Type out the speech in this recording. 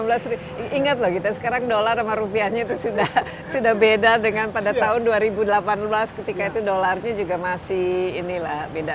ingat loh kita sekarang dolar sama rupiahnya itu sudah beda dengan pada tahun dua ribu delapan belas ketika itu dolarnya juga masih inilah beda